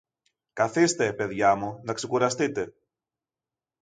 Καθήστε, παιδιά μου, να ξεκουραστείτε.